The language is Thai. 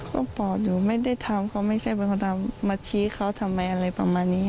ก็ปอดอยู่ไม่ได้ทำเขาไม่ใช่เป็นคนทำมาชี้เขาทำไมอะไรประมาณนี้